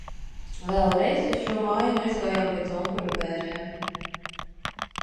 Vēl reiz uz šo mājiņu aizgājām pēc onkuļa bērēm.